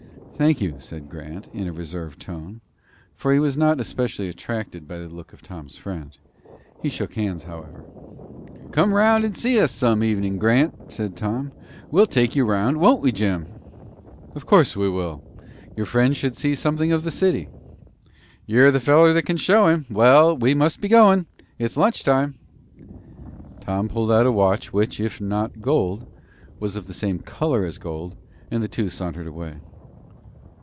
"Thank you," said Grant, in a reserved tone; for he was not especially attracted by the look of Tom's friend. He shook hands, however. "Come 'round and see us some evenin', Grant," said Tom. "We'll take you round, won't we, Jim?" "Of course we will. Your friend should see something of the city." "You're the feller that can show him. Well, we must be goin'. It's lunch time." Tom pulled out a watch, which, if not gold, was of the same color as gold, and the two sauntered away.